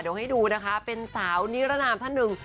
เดี๋ยวให้ดูนะคะเป็นสาวนิรนามท่านหนึ่ง